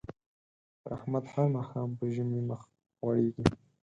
پر احمد هر ماښام په ژمي مخ غوړېږي.